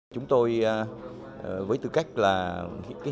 chúng tôi với tư cách là hiệp hội nghề nghiệp